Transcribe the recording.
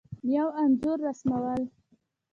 یو انځور رسمول